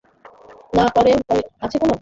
না করে উপায় আছে কোনো?